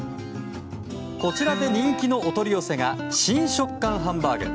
こちらで人気のお取り寄せが新食感ハンバーグ。